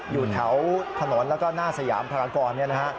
อยู่แถวถนนแล้วก็หน้าสยามทางก่อน